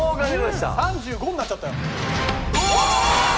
３５になっちゃったよ。